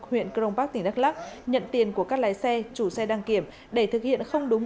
huyện crong park tỉnh đắk lắc nhận tiền của các lái xe chủ xe đăng kiểm để thực hiện không đúng